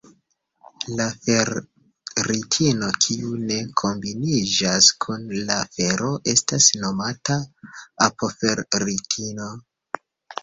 La ferritino kiu ne kombiniĝas kun la fero estas nomata apoferritino.